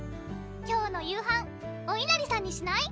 今日の夕飯おいなりさんにしない？